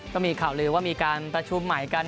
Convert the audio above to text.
ก็มีข่าวลือว่ามีการประชุมใหม่กัน